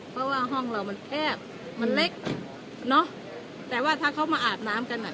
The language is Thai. เพราะว่าห้องเรามันแคบมันเล็กเนอะแต่ว่าถ้าเขามาอาบน้ำกันอ่ะ